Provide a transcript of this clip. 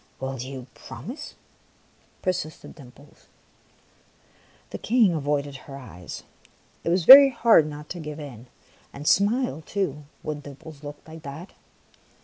" Will you promise ?" persisted Dimples. The King avoided her eyes. It was very hard not to give in and smile too, when Dimples looked like that.